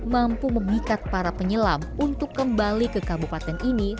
mampu memikat para penyelam untuk kembali ke kabupaten ini